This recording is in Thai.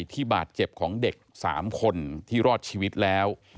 ที่บาดเจ็บของเด็ก๓คนที่รอดชีวิตแล้ว